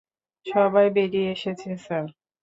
সবাই বেরিয়ে এসেছে, স্যার।